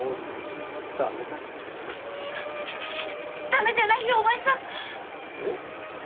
ダメじゃないよお前さん